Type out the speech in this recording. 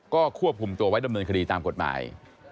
ก็ควบคุมตัวไว้ดำเนินคดีตามกฎหมาย